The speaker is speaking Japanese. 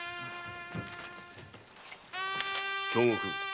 京極。